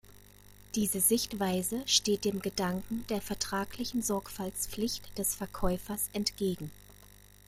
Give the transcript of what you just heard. Diese Sichtweise steht dem Gedanken der vertraglichen Sorgfaltspflicht des Verkäufers entgegen.